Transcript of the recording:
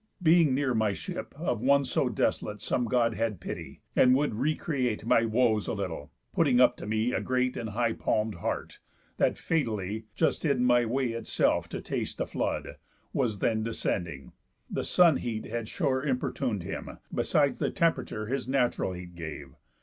Being near my ship, of one so desolate Some God had pity, and would recreate My woes a little, putting up to me A great and high palm'd hart, that (fatally, Just in my way itself to taste a flood) Was then descending; the sun heat had sure Importun'd him, besides the temperature His natural heat gave.